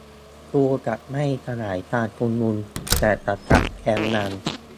กูจะไม่สลายการชุมนุม แต่จะจับแกนนำ